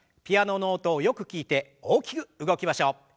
ピアノの音をよく聞いて大きく動きましょう。